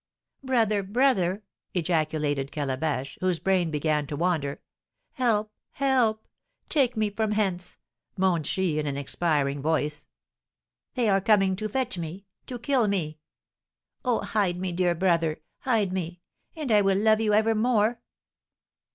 "Brother, brother," ejaculated Calabash, whose brain began to wander, "help, help! Take me from hence," moaned she in an expiring voice; "they are coming to fetch me to kill me! Oh, hide me, dear brother, hide me, and I will love you ever more!"